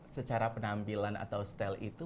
secara penampilan atau style itu